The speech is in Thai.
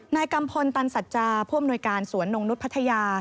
กัมพลตันสัจจาผู้อำนวยการสวนนงนุษย์พัทยา